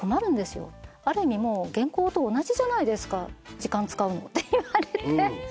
「ある意味」「時間使うの」って言われて。